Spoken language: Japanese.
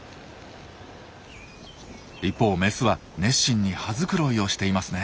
一方メスは熱心に羽づくろいをしていますね。